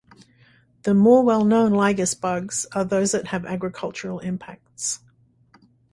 The more well-known lygus bugs are those that have agricultural impacts.